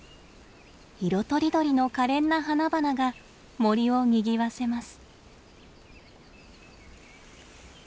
色とりどりのかれんな花々が森をにぎわせます。